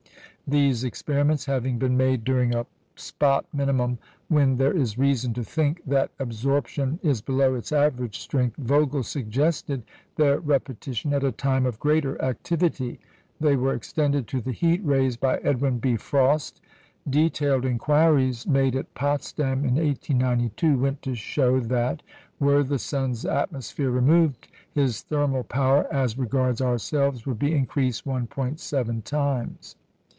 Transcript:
These experiments having been made during a spot minimum when there is reason to think that absorption is below its average strength, Vogel suggested their repetition at a time of greater activity. They were extended to the heat rays by Edwin B. Frost. Detailed inquiries made at Potsdam in 1892 went to show that, were the sun's atmosphere removed, his thermal power, as regards ourselves, would be increased 1·7 times.